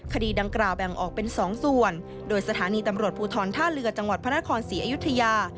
คดีดังกล่าวแบ่งออกเป็น๒ส่วนโดยสถานีตำรวจภูทรท่าเรือจังหวัดพระนครศรีอยุธยา